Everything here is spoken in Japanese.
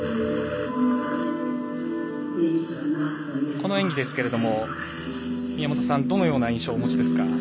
この演技ですけれども宮本さん、どのような印象をお持ちですか。